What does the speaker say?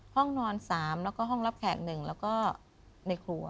ห้องนอน๓แล้วก็ห้องรับแขก๑แล้วก็ในครัว